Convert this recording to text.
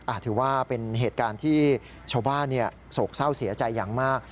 ถือว่าเป็นเหตุการณ์ที่ชาวบ้านโศกเศร้าเสียใจอย่างมาก